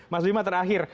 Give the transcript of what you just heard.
mas dwi ma terakhir